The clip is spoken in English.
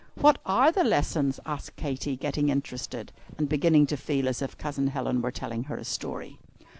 "What are the lessons?" asked Katy, getting interested, and beginning to feel as if Cousin Helen were telling her a story.